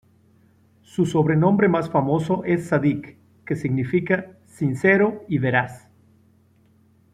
Su sobrenombre más famoso es Sadiq, que significa sincero y veraz.